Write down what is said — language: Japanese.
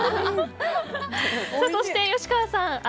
そして、吉川さん